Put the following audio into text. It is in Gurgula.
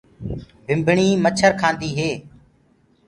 ڀِمڀڻي مڇر کآندي هي۔